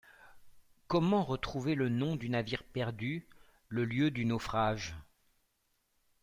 Comment retrouver le nom du navire perdu, le lieu du naufrage ?